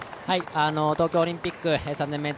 東京オリンピック３０００